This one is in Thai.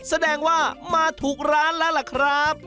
แสดงว่ามาถูกร้านแล้วล่ะครับ